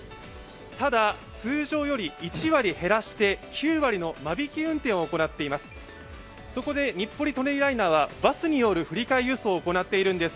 ただ、通常より１割減らして９割の間引き運転を行っています。